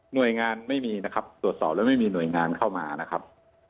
โดยงานไม่มีนะครับตรวจสอบแล้วไม่มีหน่วยงานเข้ามานะครับ